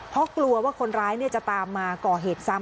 เพราะกลัวว่าคนร้ายจะตามมาก่อเหตุซ้ำ